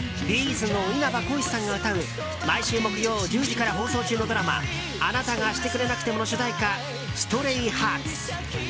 ’ｚの稲葉浩志さんが歌う毎週木曜１０時から放送中のドラマ「あなたがしてくれなくても」の主題歌「ＳｔａｒｙＨｅａｒｔｓ」。